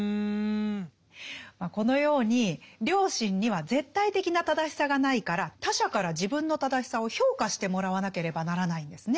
このように良心には絶対的な正しさがないから他者から自分の正しさを評価してもらわなければならないんですね。